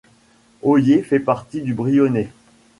Oyé fait partie du Brionnais.